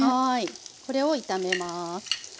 これを炒めます。